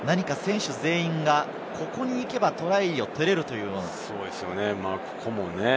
選手全員がここに行けばトライを取れるというような。